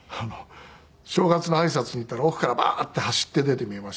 正月の挨拶に行ったら奥からバーッて走って出て見えまして。